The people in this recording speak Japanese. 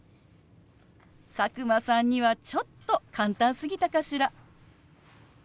佐久間さんにはちょっと簡単すぎたかしら。